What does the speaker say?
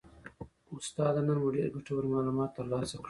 استاده نن مو ډیر ګټور معلومات ترلاسه کړل